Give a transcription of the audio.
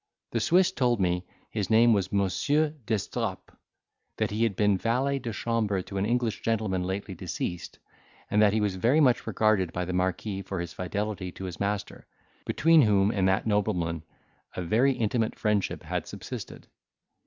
The Swiss told me his name was Monsieur d'Estrapes, that he had been valet de chambre to an English gentleman lately deceased, and that he was very much regarded by the marquis for his fidelity to his master, between whom and that nobleman a very intimate friendship had subsisted.